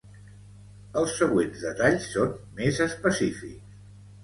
Els següents detalls són més específics.